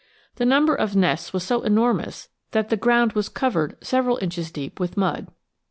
The number of nests was so enormous that the ground was covered several inches deep with mud.